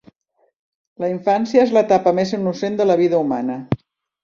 La infància és l'etapa més innocent de la vida humana.